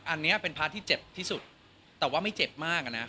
อันนี้เป็นพระที่เจ็บที่สุดแต่ว่าไม่เจ็บมากอะนะ